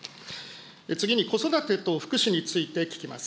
次に子育てと福祉について聞きます。